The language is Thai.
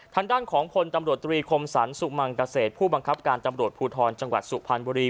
ทางด้านของพลตำรวจตรีคมสรรสุมังเกษตรผู้บังคับการตำรวจภูทรจังหวัดสุพรรณบุรี